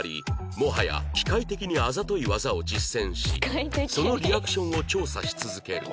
もはや機械的にあざとい技を実践しそのリアクションを調査し続ける葵